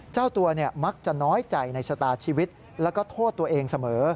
เจ้าตัวมักจะน้อยใจในชะตาชีวิตแล้วก็โทษตัวเองเสมอ